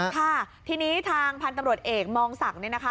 ค่ะทีนี้ทางพันธุ์ตำรวจเอกมองศักดิ์เนี่ยนะคะ